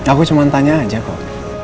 aku cuma tanya aja kok